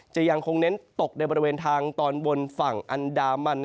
ยังคงเน้นตกในบริเวณทางตอนบนฝั่งอันดามัน